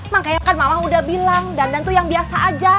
makanya kan malah udah bilang dandan tuh yang biasa aja